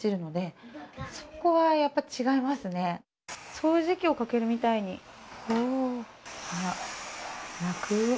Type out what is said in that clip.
掃除機をかけるみたいに、楽。